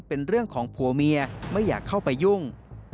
เป็นเรื่องของผัวเมียไม่อยากเข้าไปยุ่ง